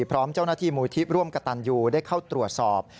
พร้อมเจ้าหน้าที่มูลที่ร่วมกระตันยูได้เข้าตรวจสอบ